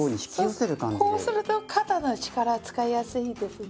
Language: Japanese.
こうすると肩の力使いやすいですね。